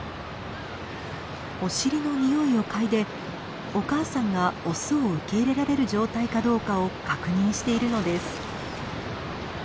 お尻のにおいを嗅いでお母さんがオスを受け入れられる状態かどうかを確認しているのです。